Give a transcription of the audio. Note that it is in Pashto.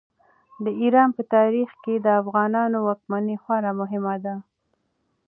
د ایران په تاریخ کې د افغانانو واکمني خورا مهمه ده.